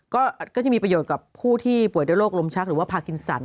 ก็จะมีประโยชน์กับผู้ที่ป่วยด้วยโรคลมชักหรือว่าพากินสัน